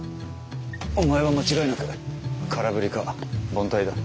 お前は間違いなく空振りか凡退だ。